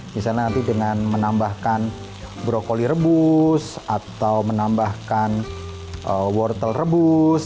misalnya nanti dengan menambahkan brokoli rebus atau menambahkan wortel rebus